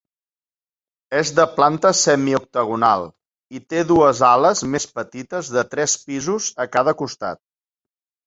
És de planta semioctagonal i té dues ales més petites de tres pisos a cada costat.